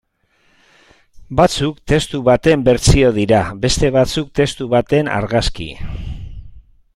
Batzuk testu baten bertsio dira, beste batzuk testu baten argazki.